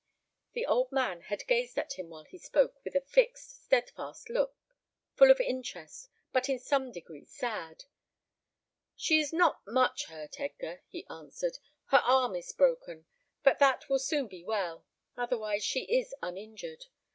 The old man had gazed at him while he spoke with a fixed, steadfast look, full of interest, but in some degree sad. "She is not much hurt, Edgar," he answered; "her arm is broken, but that will soon be well. Otherwise she is uninjured.